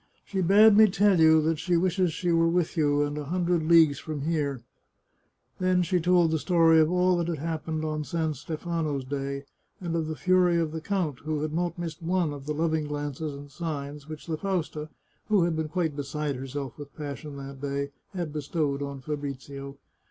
... She bade me tell you that she wishes she were with you, and a hundred leagues from here." Then she told the story of all that had happened on San Stefano's Day and of the fury of the count, who had not missed one of the loving glances and signs which the Fausta, who had been quite beside herself with passion that 242 The Chartreuse of Parma day, had bestowed on Fabrizio.